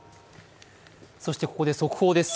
そしてここで速報です。